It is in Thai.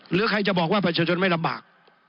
หรือใครจะบอกว่าประชาชนไม่ลำบาก